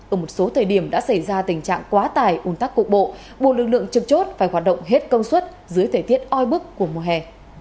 ở một số thời điểm đã xảy ra tình trạng quá tải un tắc cục bộ buộc lực lượng trực chốt phải hoạt động hết công suất dưới thể tiết oi bức của mùa hè